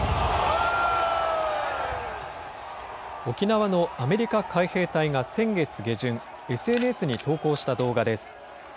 沖縄のアメリカ海兵隊が先月下旬、ＳＮＳに投稿した動画です。